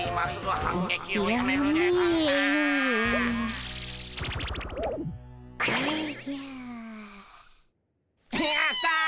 やった！